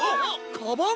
カバン？